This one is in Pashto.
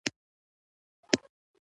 غواړي خپل ځواک په پنځو روپو ځای کړي.